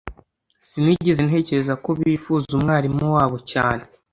sinigeze ntekereza ko bifuza umwarimu wabo cyane